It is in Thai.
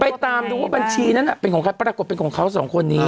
ตามดูว่าบัญชีนั้นเป็นของใครปรากฏเป็นของเขาสองคนนี้